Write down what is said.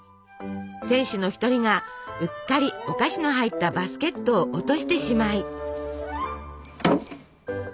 選手の一人がうっかりお菓子の入ったバスケットを落としてしまい。